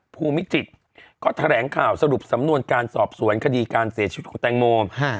ภูมิจิตก็แถลงข่าวสรุปสำนวนการสอบสวนคดีการเสียชีวิตของแตงโม